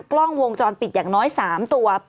กล้องวงจรปิดอย่างน้อย๓ตัว